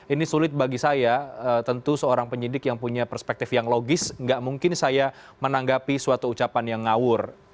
ini sulit bagi saya tentu seorang penyidik yang punya perspektif yang logis nggak mungkin saya menanggapi suatu ucapan yang ngawur